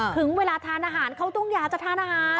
ถึงเวลาทานอาหารเขาต้องอยากจะทานอาหาร